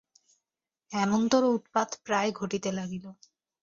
এমনতরো উৎপাত প্রায় ঘটিতে লাগিল।